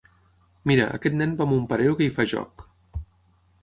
Mira, aquest nen va amb un pareo que hi fa joc.